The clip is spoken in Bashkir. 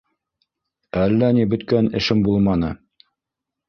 — Әллә ни бөткән эшем булманы.